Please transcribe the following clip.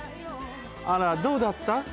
あらどうだった？